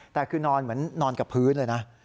แต่คือนอนเหมือนนอนกับพื้นเลยนะ